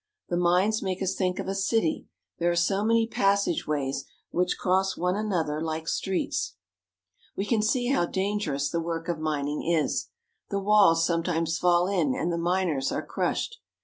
The mines make us think of a city, there are so many passage ways, which cross one another like streets. We can see how dangerous the work of mining is. The walls sometimes fall in and the miners are crushed.